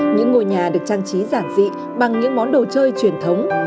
những ngôi nhà được trang trí giản dị bằng những món đồ chơi truyền thống